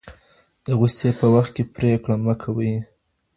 د غوسې په وخت کې پریکړه مه کوئ.